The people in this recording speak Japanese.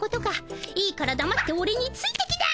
いいからだまってオレについてきな。